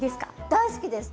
大好きです！